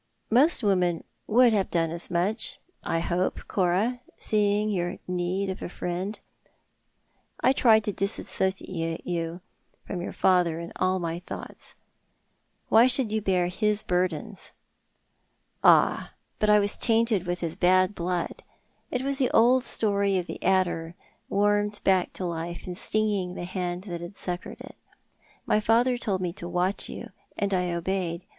"Most women would have done as much, I hope, Cora, seeing your need of a friend. I tried to dissociate you from your father in all my thoughts. "Why should you bear his burdens ?"" Ah, but I was tainted with his bad blood. It was the old story of the adder warmed back to life and stinging the hand that had succoured it. My father told me to watch you, and I obeyed.